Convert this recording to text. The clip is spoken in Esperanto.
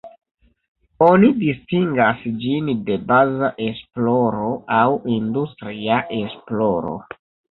Oni distingas ĝin de baza esploro aŭ industria esploro.